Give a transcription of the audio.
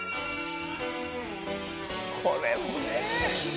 これもね。